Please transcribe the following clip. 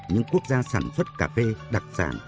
những quốc gia sản xuất cà phê đặc sản